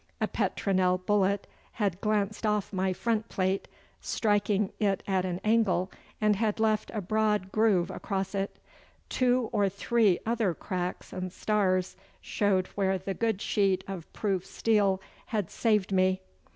A petronel bullet had glanced off my front plate, striking it at an angle, and had left a broad groove across it. Two or three other cracks and stars showed where the good sheet of proof steel had saved me.